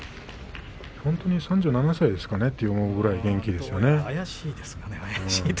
本当に３７歳ですかと思うぐらい元気ですね。